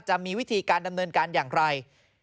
จะมีวิธีการดำเนินการอย่างไร